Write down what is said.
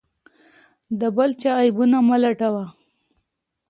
د بل چا عیبونه مه لټوه.